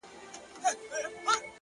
o گلي پر ملا باندي راماته نسې؛